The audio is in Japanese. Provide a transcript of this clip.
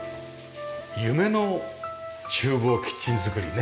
夢の厨房キッチン作りね。